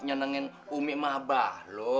nyenengin umi sama abah lo